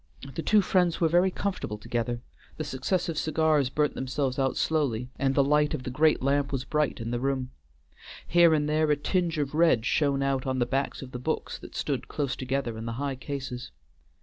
The two friends were very comfortable together; the successive cigars burnt themselves out slowly, and the light of the great lamp was bright in the room. Here and there a tinge of red shone out on the backs of the books that stood close together in the high cases.